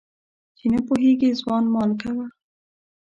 چي نه پوهېږي ځوان مال کوه.